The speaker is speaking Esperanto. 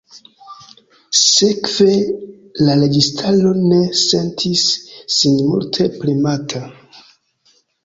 Sekve la registaro ne sentis sin multe premata.